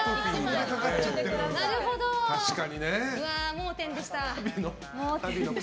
盲点でした。